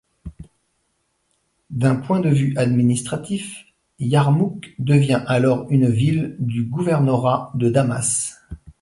D'un point de vue administratif, Yarmouk devient alors une ville du gouvernorat de Damas.